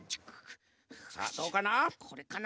さあどうかな？